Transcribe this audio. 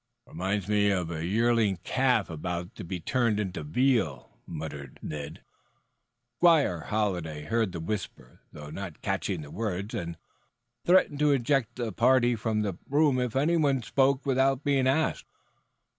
"Reminds me of a yearling calf about to be turned into veal," muttered Ned. Squire Halliday heard the whisper, though not catching the words, and threatened to eject the party from the room if anyone spoke without being asked.